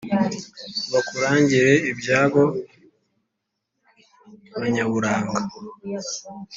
bakurangire iby’abo banyaburanga